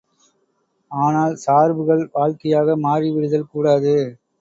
ஆனால், சார்புகள் வாழ்க்கையாக மாறி விடுதல் கூடாது.